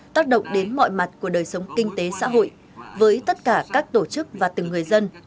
tác động đến mọi mặt của đời sống kinh tế xã hội với tất cả các tổ chức và từng người dân